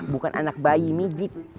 bukan anak bayi menjijit